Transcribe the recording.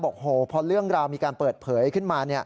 พอเรื่องราวมีการเปิดเผยขึ้นมา